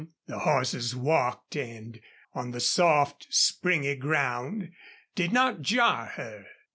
The horses walked and on the soft, springy ground did not jar her.